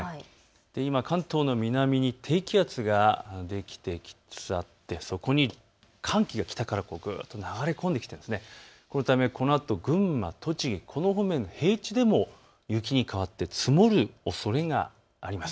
今、関東の南に低気圧ができてきてそこに寒気が北からぐっと流れ込んできてこのため、このあと群馬、栃木、平地でも雪に変わって積もるおそれがあります。